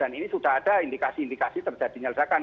dan ini sudah ada indikasi indikasi terjadi nyelejakan